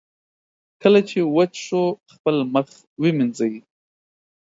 کله چې وچ شو، خپل مخ ومینځئ.